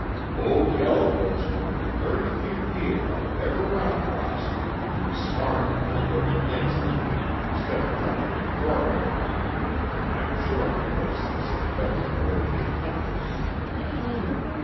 Old Yellowfoot's one of the very few deer I've ever run across who's smart enough to work against the wind instead of running before it. I'm sure he does this the better to locate hunters.